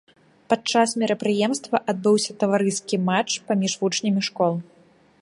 Падчас мерапрыемства адбыўся таварыскі матч паміж вучнямі школ.